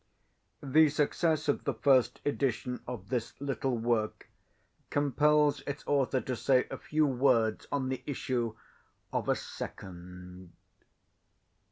The success of the first edition of this little work, compels its author to say a few words on the issue of a second.